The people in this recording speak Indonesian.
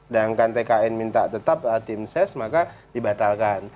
dan kan tkn minta tetap tim ses maka dibatalkan